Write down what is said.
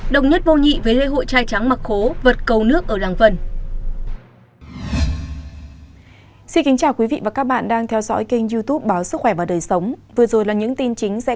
đồng nhất vô nhị với lễ hội chai trắng mặc khố vật cầu nước ở làng vân